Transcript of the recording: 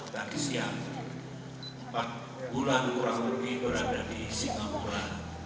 tadi siang empat bulan kurang lebih berada di singapura